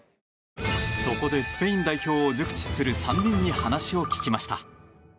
そこでスペイン代表を熟知する３人に話を聞きました。